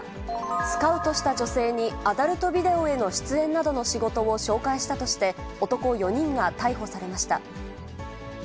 スカウトした女性にアダルトビデオへの出演などの仕事を紹介したとして、男４人が逮捕されました。